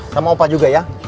sama opa juga ya